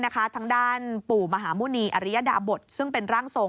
ทางด้านปู่มหาหมุณีอริยดาบทซึ่งเป็นร่างทรง